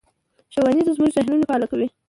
ښوونځی زموږ ذهنونه فعالوي